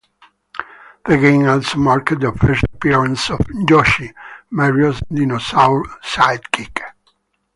The game also marked the first appearance of Yoshi, Mario's dinosaur sidekick.